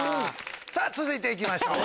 さぁ続いて行きましょう。